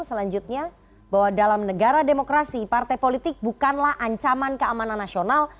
selanjutnya bahwa dalam negara demokrasi partai politik bukanlah ancaman keamanan nasional